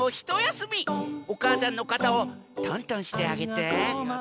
おかあさんのかたをとんとんしてあげて。